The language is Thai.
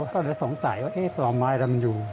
ก็เลยสงสัยว่าต่อไม้แล้วมันอยู่